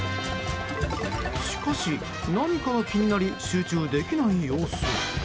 しかし、何かが気になり集中できない様子。